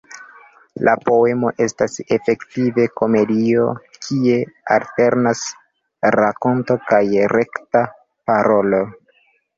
La poemo estas efektive komedio, kie alternas rakonto kaj rekta parolo.